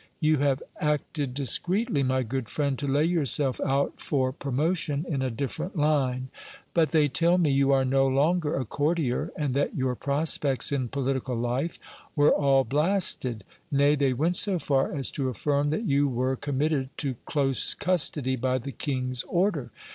You have acted discreetly, my good friend, to lay yourself out for promotion in a different line. But they tell me, you are no longer a courtier, and that your prospects in politi cal life were all blasted ; nay, they went so far as to affirm, that you were com mitted to close custody by the king's order.